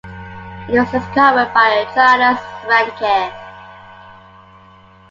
It was discovered by Johannes Reinke.